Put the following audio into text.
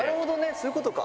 そういうことか。